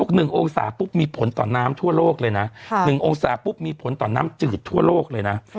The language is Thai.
เค้าบอก๑องศาปุ๊บมีผลต่อน้ำทั่วโลกเลยนะ